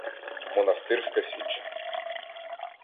Монастирська січ